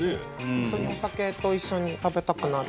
本当にお酒と一緒に食べたくなる。